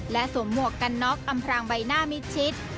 และสวมหมวกกันน็อกอำพรางใบหน้ามิดชิด